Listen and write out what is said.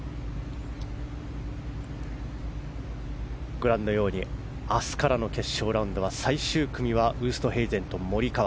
ご覧のように明日からの決勝ラウンドは最終組はウーストヘイゼンとモリカワ。